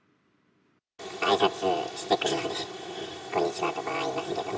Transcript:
あいさつしてくるので、こんにちはとは言いますけど。